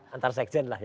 antar sekjen lah ya